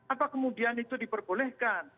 apa kemudian itu diperbolehkan